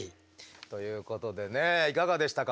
ということでねいかがでしたか？